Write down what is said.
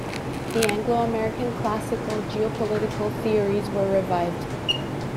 The Anglo-American classical geopolitical theories were revived.